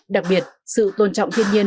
đặc biệt sự tôn trọng thiên nhiên